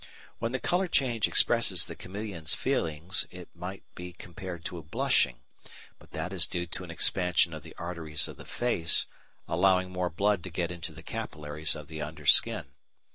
When the colour change expresses the chameleon's feelings it might be compared to blushing, but that is due to an expansion of the arteries of the face, allowing more blood to get into the capillaries of the under skin.